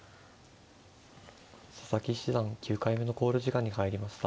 佐々木七段９回目の考慮時間に入りました。